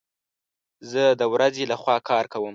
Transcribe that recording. زه د ورځي لخوا کار کوم